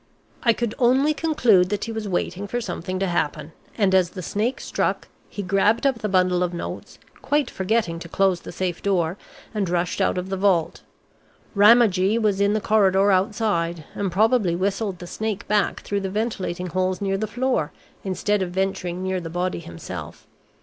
"I could only conclude that he was waiting for something to happen, and as the snake struck, he grabbed up the bundle of notes, quite forgetting to close the safe door, and rushed out of the vault. Ramagee was in the corridor outside, and probably whistled the snake back through the ventilating holes near the floor, instead of venturing near the body himself.